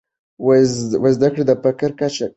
زده کړې د فقر کچه کموي.